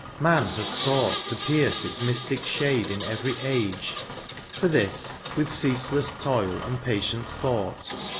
Man hath sought To pierce its mystic shade in every age : For this, with ceaseless toU and patient thought.